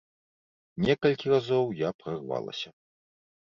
Некалькі разоў я прарвалася.